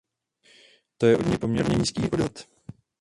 To je od něj poměrně nízký odhad.